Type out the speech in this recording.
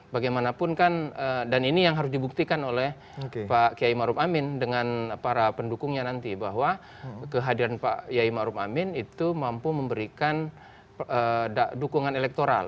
bagaimanapun kan dan ini yang harus dibuktikan oleh pak kiai maruf amin dengan para pendukungnya nanti bahwa kehadiran pak yai ⁇ maruf ⁇ amin itu mampu memberikan dukungan elektoral